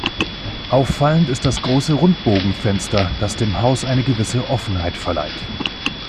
Auffallend ist das große Rundbogenfenster, das dem Haus eine gewisse Offenheit verleiht.